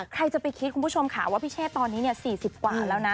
ใครจะไปคิดคุณผู้ชมค่ะว่าพี่เชษตอนนี้๔๐กว่าแล้วนะ